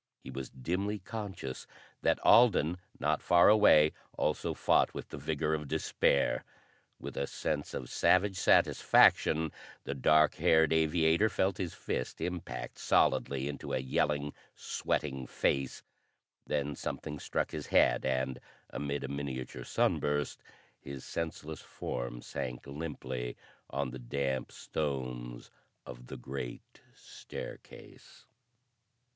He was dimly conscious that Alden, not far away, also fought with the vigor of despair. With a sense of savage satisfaction, the dark haired aviator felt his fist impact solidly into a yelling, sweating face; then something struck his head and, amid a miniature sunburst, his senseless form sank limply on the damp stones of the great staircase.